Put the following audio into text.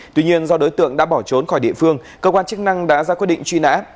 tuy nhiên do đối tượng đã bỏ trốn khỏi địa phương cơ quan chức năng đã ra quyết định truy nã